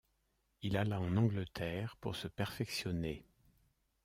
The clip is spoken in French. Il alla en Angleterre pour se perfectionner.